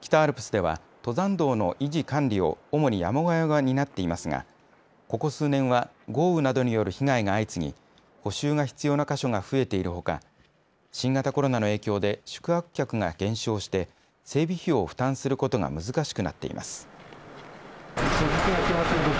北アルプスでは登山道の維持・管理を主に山小屋が担っていますがここ数年は豪雨などによる被害が相次ぎ補修が必要な箇所が増えているほか、新型コロナの影響で宿泊客が減少して整備費用を負担することが難しくなっています。